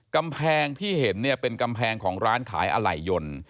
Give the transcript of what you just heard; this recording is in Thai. กำแพงที่เห็นเนี่ยเป็นกำแพงของร้านขายอะไหล่ยนต์